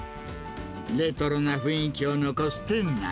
レトロな雰囲気を残す店内。